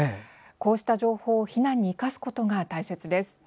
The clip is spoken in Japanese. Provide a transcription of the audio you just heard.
こうした情報を避難に生かすことが大切です。